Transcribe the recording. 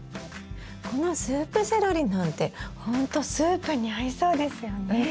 このスープセロリなんてほんとスープに合いそうですよね。